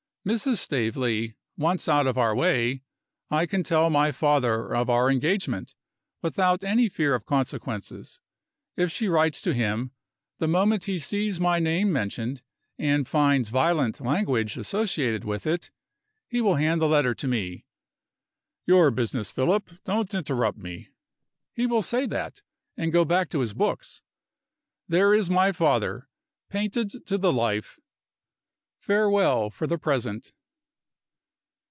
Mrs. Staveley once out of our way, I can tell my father of our engagement without any fear of consequences. If she writes to him, the moment he sees my name mentioned, and finds violent language associated with it, he will hand the letter to me. "Your business, Philip: don't interrupt me." He will say that, and go back to his books. There is my father, painted to the life! Farewell, for the present.